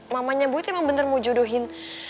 mamanya boy tuh emang bener mau jodohin